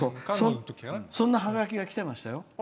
そんなハガキがきてくれましたね。